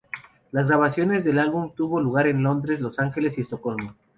La grabación del álbum tuvo lugar en Londres, Los Ángeles y Estocolmo.